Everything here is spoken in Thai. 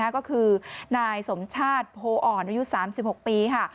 ก็คือนายสมชาติโพออ่อนอายุ๓๖ปีค่ะ